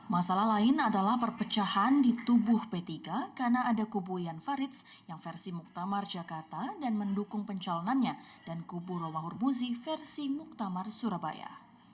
masalah lain adalah perpecahan di tubuh p tiga karena ada kubu ian faridz yang versi muktamar jakarta dan mendukung pencalonannya dan kubu romahur muzi versi muktamar surabaya